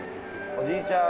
おじいちゃん